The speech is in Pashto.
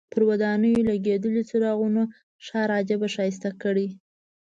پر ودانیو لګېدلو څراغونو ښار عجیبه ښایسته کړی.